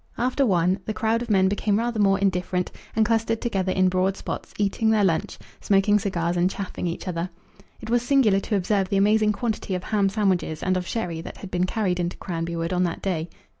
After one the crowd of men became rather more indifferent, and clustered together in broad spots, eating their lunch, smoking cigars, and chaffing each other. It was singular to observe the amazing quantity of ham sandwiches and of sherry that had been carried into Cranby Wood on that day.